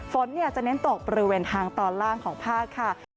ฝนจะเน้นตกบริเวณทางตอนล่างของภาคค่ะ